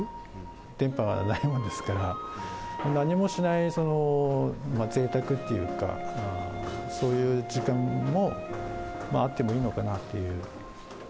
電波がないもんですから、何もしないぜいたくというか、そういう時間もあってもいいのかなっていう。